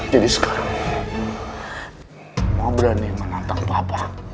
jadi sekarang mama berani menantang papa